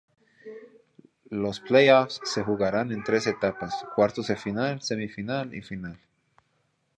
Los Play offs se jugarán en tres etapas, cuartos de final, semifinal y final.